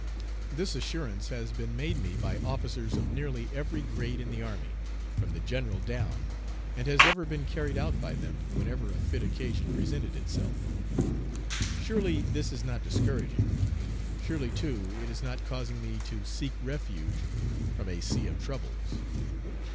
This assurance has been made me by officers of nearly every grade in the army, from the general down, and has ever been carried out by them whenever a fit occasion presented itself. Surely this is not discouraging. Surely, too, it is not causing me "to seek refuge from a sea of troubles."